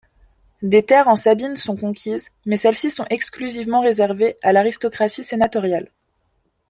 Des terres en Sabine sont conquises, mais celles-ci sont exclusivement réservées à l'aristocratie sénatoriale.